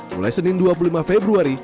mulai senin dua puluh lima februari